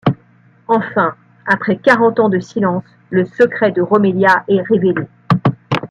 Enfin, après quarante ans de silence, le secret de Romelia est révélé.